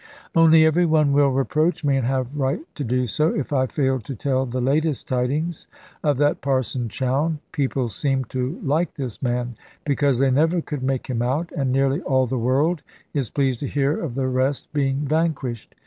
Only every one will reproach me, and have right to do so, if I fail to tell the latest tidings of that Parson Chowne. People seemed to like this man, because they never could make him out, and nearly all the world is pleased to hear of the rest being vanquished.